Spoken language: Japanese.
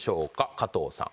加藤さん。